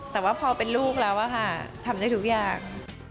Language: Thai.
แต่ว่าพอเป็นลูกแล้วทำได้ทุกอย่าง